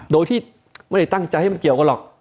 โดยที่ไม่ได้ตั้งใจให้มันเกี่ยวกันหรอก